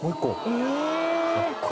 え。